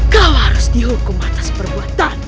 kau harus dihukum atas perbuatan